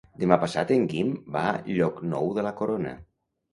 Demà passat en Guim va a Llocnou de la Corona.